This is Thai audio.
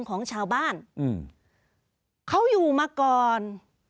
ของชาวบ้านอืมเขาอยู่มาก่อน